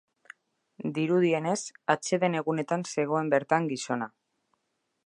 Dirudienez, atseden egunetan zegoen bertan gizona.